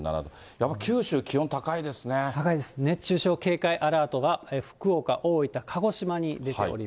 やっぱり九州、高いです、熱中症警戒アラートが、福岡、大分、鹿児島に出ております。